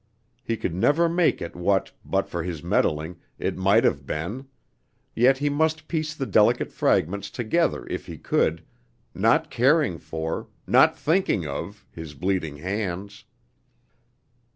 He could never make it what, but for his meddling, it might have been; yet he must piece the delicate fragments together if he could, not caring for not thinking of his bleeding hands.